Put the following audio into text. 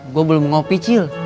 gua belum ngopi cil